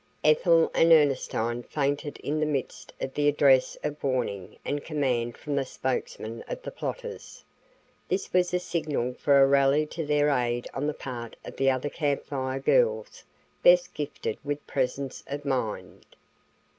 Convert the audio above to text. Ethel and Ernestine fainted in the midst of the address of warning and command from the spokesman of the plotters. This was a signal for a rally to their aid on the part of the other Camp Fire Girls best gifted with presence of mind.